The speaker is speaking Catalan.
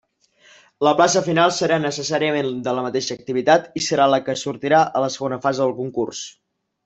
La plaça final serà necessàriament de la mateixa activitat i serà la que sortirà a la segona fase del concurs.